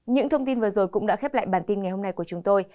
những thông tin vừa rồi cũng đã khép lại bản tin ngày hôm nay của chúng tôi